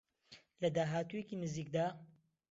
لە داهاتوویەکی نزیکدا